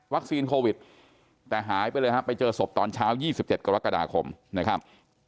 โควิดแต่หายไปเลยฮะไปเจอศพตอนเช้า๒๗กรกฎาคมนะครับ